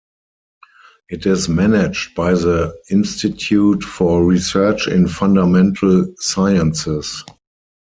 It is managed by the Institute for Research in Fundamental Sciences.